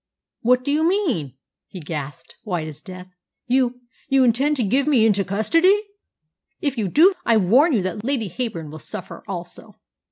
"What do you mean?" he gasped, white as death. "You you intend to give me into custody? If you do, I warn you that Lady Heyburn will suffer also."